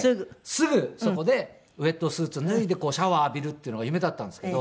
すぐそこでウェットスーツ脱いでシャワー浴びるっていうのが夢だったんですけど。